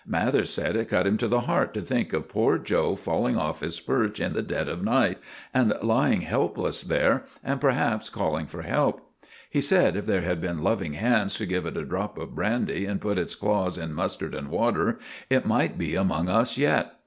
Mathers said it cut him to the heart to think of poor 'Joe' falling off his perch in the dead of night, and lying helpless there, and perhaps calling for help. He said if there had been loving hands to give it a drop of brandy and put its claws in mustard and water, it might be among us yet.